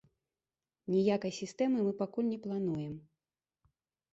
Ніякай сістэмы мы пакуль не плануем.